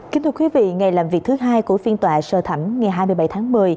kính thưa quý vị ngày làm việc thứ hai của phiên tòa sơ thẩm ngày hai mươi bảy tháng một mươi